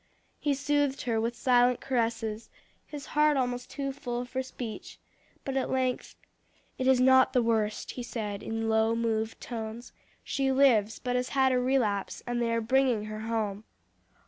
He soothed her with silent caresses; his heart almost too full for speech; but at length, "It is not the worst," he said in low, moved tones, "she lives, but has had a relapse, and they are bringing her home."